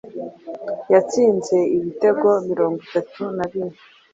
Yatsinze ibitego mirongo itatu na bine